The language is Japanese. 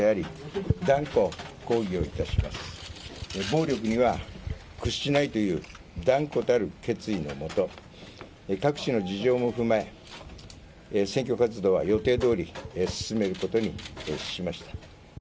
暴力には屈しないという断固たる決意のもと各地の事情も踏まえ選挙活動は予定どおり進めることにしました。